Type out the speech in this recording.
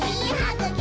「ぐき！」